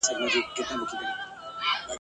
کله کله به لا سر سو په رمباړو ..